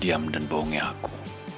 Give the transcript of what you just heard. dia diam diam dan bohongin aku